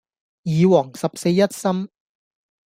耳王十四一心